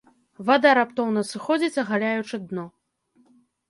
Вада раптоўна сыходзіць, агаляючы дно.